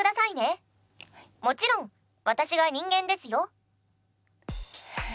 もちろん私が人間ですよ。